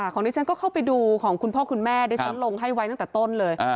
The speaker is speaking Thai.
ของดิฉันก็เข้าไปดูของคุณพ่อคุณแม่ดิฉันลงให้ไว้ตั้งแต่ต้นเลย